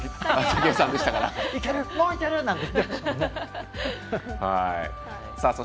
もういける！なんて。